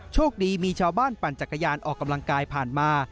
โชคดีมีชาวบ้านปั่นจักรยานออกกำลังกายผ่านมา